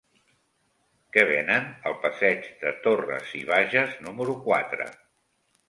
Què venen al passeig de Torras i Bages número quatre?